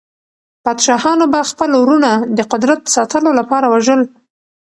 پادشاهانو به خپل وروڼه د قدرت ساتلو لپاره وژل.